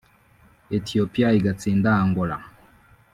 Ethiopia igatsinda Angola